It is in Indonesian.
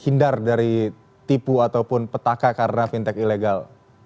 hinggar dari tipu atau petaka karena fintech ilegal